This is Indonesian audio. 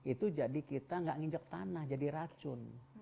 itu jadi kita nggak nginjak tanah jadi racun